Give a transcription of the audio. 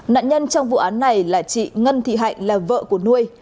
nạn nhân trong vụ án này là chị ngân thị hạnh là vợ của nuôi